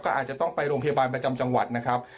อาจจะต้องไปโรงพยาบาลประจำจังหวัดนะครับ